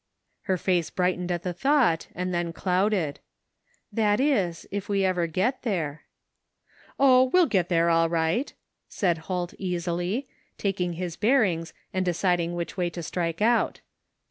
Her face brightened at the thought, and then clouded. " That is if we ever get there ^" "Oh, we'll get there all right," said Holt easily, taking his bearings and deciding which way to strike out.